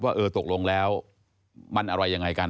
เออตกลงแล้วมันอะไรยังไงกัน